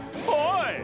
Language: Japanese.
はい。